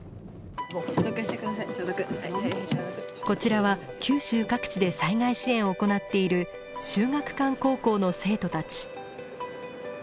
こちらは九州各地で災害支援を行っている秀岳館高校の生徒たち。